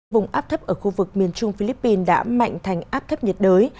vùng áp thấp ở khu vực miền trung philippines đã mạnh thành áp thấp nhiệt đới